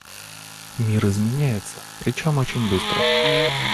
Мир изменяется, причем очень быстро.